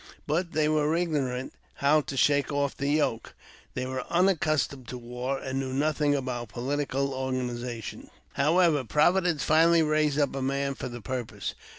But they were ignorant how to shake off the yoke ; they were unaccustomed to war, and knew nothing about political organizations. However, Providence finally raised up a man for the purpose.